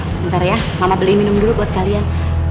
sebentar ya mama beli minum dulu buat kalian